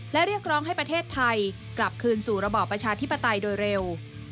และเรียกร้องให้ประเทศไทยกลับคืนสู่ระบอบประชาธิปไตยโดยเร็ว